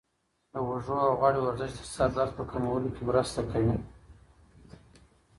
د اوږو او غاړې ورزش د سر درد په کمولو کې مرسته کوي.